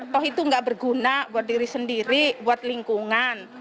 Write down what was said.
toh itu gak berguna buat diri sendiri buat lingkungan